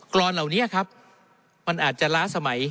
รอนเหล่านี้ครับมันอาจจะล้าสมัย